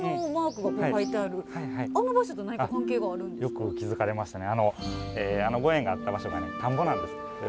よく気付かれましたね。